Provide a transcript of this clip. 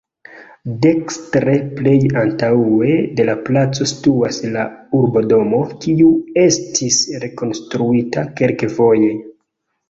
Dekstre plej antaŭe de la placo situas la Urbodomo, kiu estis rekonstruita kelkfoje.